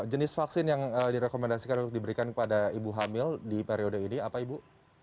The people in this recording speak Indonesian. jenis vaksin yang direkomendasikan untuk diberikan kepada ibu hamil di periode ini apa ibu